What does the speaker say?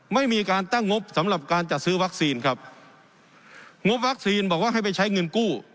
ไม่มีการตั้งงบสำหรับการจัดซื้อวัคซีนครับงบวัคซีนบอกว่าให้ไปใช้เงินกู้